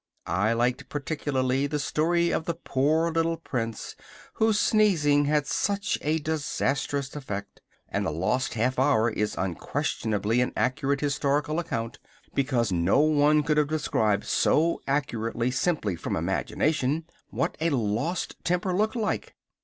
I liked particularly the story of the poor little prince, whose sneezing had such a disastrous effect; and the lost half hour is unquestionably an accurate historical account, because no one could have described so accurately, simply from imagination, what a lost temper looked like.